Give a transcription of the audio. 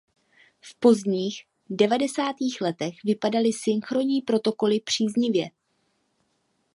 V pozdních devadesátých letech vypadaly synchronní protokoly příznivě.